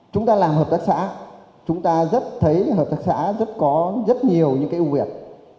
chúng ta làm hợp tác xã chúng ta rất thấy hợp tác xã có rất nhiều những cái ưu việt